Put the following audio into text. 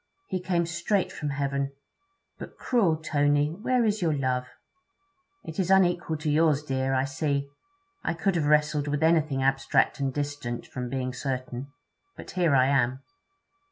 'He came straight from heaven! But, cruel Tony where is your love?' 'It is unequal to yours, dear, I see. I could have wrestled with anything abstract and distant, from being certain. But here I am.'